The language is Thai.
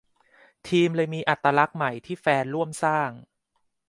ทีมเลยมีอัตลักษณ์ใหม่ ที่แฟนร่วมสร้าง